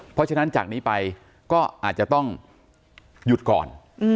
เพราะฉะนั้นจากนี้ไปก็อาจจะต้องหยุดก่อน